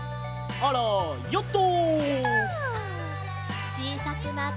あらヨット！